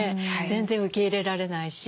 全然受け入れられないし。